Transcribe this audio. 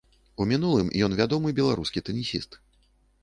У мінулым ён вядомы беларускі тэнісіст.